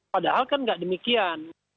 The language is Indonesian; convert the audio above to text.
padahal kan nggak demikian